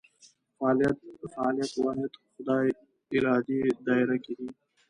فعالیت فاعلیت واحد خدای ارادې دایره کې دي.